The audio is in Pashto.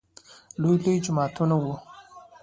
لوى لوى جوماتونه وو.